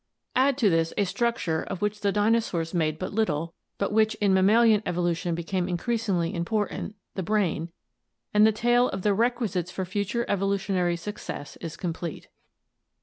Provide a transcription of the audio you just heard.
Add to this a structure of which the dinosaurs made but little, but which in mammalian evolution became increasingly important — the brain — and the tale of the requisites for future evolutionary success is complete.